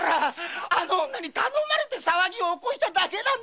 あの女に頼まれて騒ぎを起こしただけなんだ。